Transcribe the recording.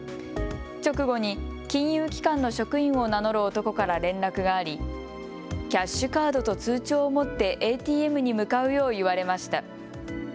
直後に金融機関の職員を名乗る男から連絡がありキャッシュカードと通帳を持ってＡＴＭに向かうよう言われました。